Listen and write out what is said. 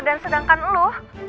dan sedangkan lo